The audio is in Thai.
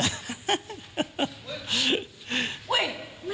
เฮ่ยหน้าด้วย